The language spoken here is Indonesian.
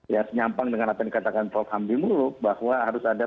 ya senyampang dengan apa yang dikatakan prof hamdi muluk bahwa harus ada